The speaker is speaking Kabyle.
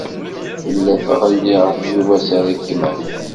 Tella tɣelli ɣef Yuba s rregmat.